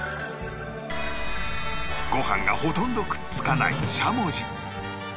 ご飯がほとんどくっつかないしゃもじ